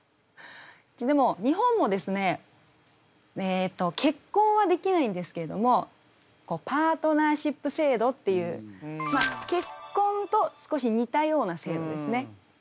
でも日本もですねえっと結婚はできないんですけれどもパートナーシップ制度っていう結婚と少し似たような制度ですね。